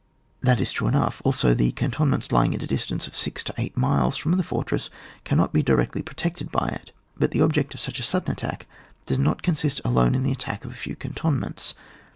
That is true enough ; also the cantonments lying at a distance of six to eight miles from the fortress cannot be directly pro tected by it ; but the obj ect of such a sudden attack does not consist alone in the attack of a few cantonments.